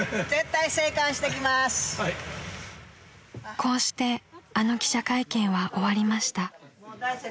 ［こうしてあの記者会見は終わりました］